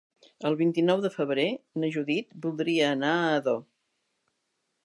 El vint-i-nou de febrer na Judit voldria anar a Ador.